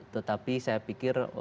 tetapi saya pikir